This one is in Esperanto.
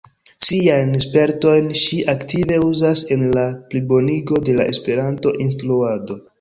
Siajn spertojn ŝi aktive uzas en la plibonigo de la Esperanto-instruado.